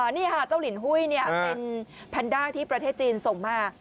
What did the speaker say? นี่ค่ะเจ้าลินหุ้ยเป็นแพนด้าที่ประเทศจีนส่งมา